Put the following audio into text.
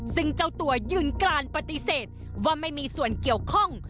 ซึ่งเจ้าตัวยืนการปฏิเสธว่าไม่มีส่วนเกี่ยวข้อง